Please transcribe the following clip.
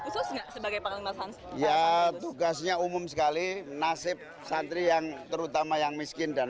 khusus enggak sebagai panglima santri ya tugasnya umum sekali nasib santri yang terutama yang miskin dan